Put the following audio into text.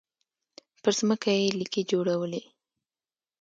پر ځمکه يې ليکې جوړولې.